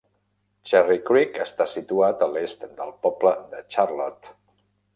Cherry Creek està situat a l'est del poble de Charlotte.